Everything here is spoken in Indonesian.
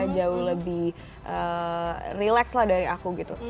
jauh lebih relax lah dari aku gitu